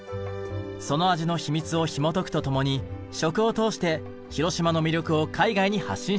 その味の秘密をひもとくと共に食を通して広島の魅力を海外に発信しました。